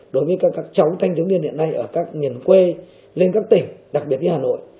đối với các cháu thanh thiếu niên hiện nay ở các miền quê lên các tỉnh đặc biệt như hà nội